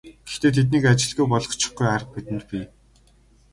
Гэхдээ тэднийг ажилгүй болгочихгүй арга бидэнд бий.